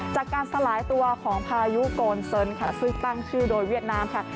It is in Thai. จากการสลายตัวของพายุโกนเซินค่ะซึ่งตั้งชื่อโดยเวียดนามค่ะ